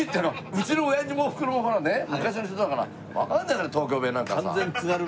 うちのおやじもおふくろも昔の人だからわからないから東京弁なんかさ。